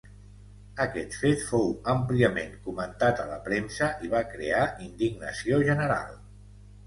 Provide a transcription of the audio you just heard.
Aquest fet fou àmpliament comentat a la premsa i va crear indignació general.